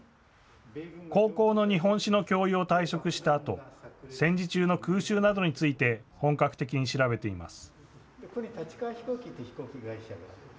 高校の日本史の教諭を退職したあと、戦時中の工場の空襲などについて本格的に調べています。